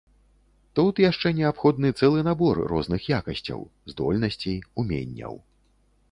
Тут яшчэ неабходны цэлы набор розных якасцяў, здольнасцей, уменняў.